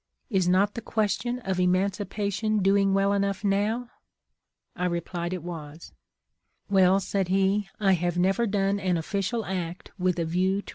' Is not the question of emancipation doing well enough now ?' I replied it was. ' Well,' said he, ' I have never done an official act with a \ iew to